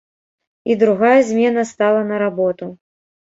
І другая змена стала на работу.